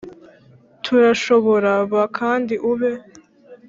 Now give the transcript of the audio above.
turashobora. ba kandi ube